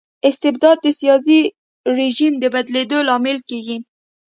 استبداد د سياسي رژيم د بدلیدو لامل کيږي.